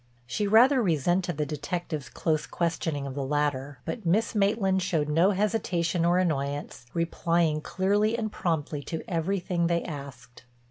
She rather resented the detectives' close questioning of the latter. But Miss Maitland showed no hesitation or annoyance, replying clearly and promptly to everything they asked.